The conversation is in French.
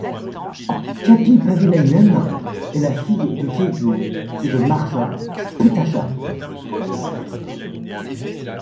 Käpy Paavilainen est la fille de Keijo et de Marja Petäjä.